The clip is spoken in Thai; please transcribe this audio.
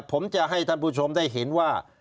ผมจะให้ท่านผู้ชมได้เห็นว่า